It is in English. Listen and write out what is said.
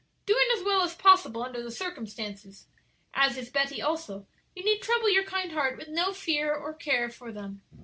"Doing as well as possible under the circumstances; as is Betty also; you need trouble your kind heart with no fear or care for them."